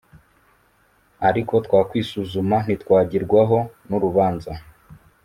Ariko twakwisuzuma ntitwagirwaho n'urubanza.